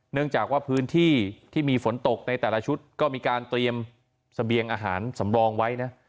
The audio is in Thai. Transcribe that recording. เนื่องจากว่าพื้นที่ที่มีฝนตกในแต่ละชุดก็มีการเตรียมเสบียงอาหารสำรองไว้นะ